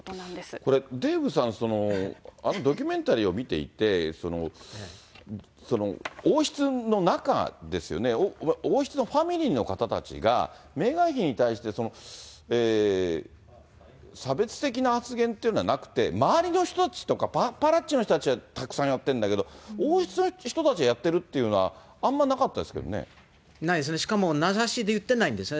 これ、デーブさん、あのドキュメンタリーを見ていて、王室の中ですよね、王室のファミリーの方たちがメーガン妃に対して、差別的な発言というのはなくて、周りの人たちとか、パパラッチの人たちはたくさんやってるんだけど、王室の人たちがやってるっていうのは、あんまりなかったですけどないですね、しかも名指しで言ってないんですね。